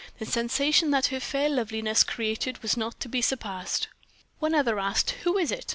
The sensation that her fair loveliness created was not to be surpassed. One asked another, "Who is it?"